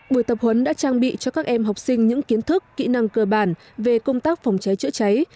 buổi tập huấn đã trang bị cho các em học sinh những kiến thức kỹ năng cơ bản về công tác phòng cháy chữa cháy